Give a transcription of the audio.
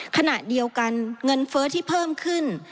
ขณะเดียวกันเงินเฟ้อที่เพิ่มขึ้น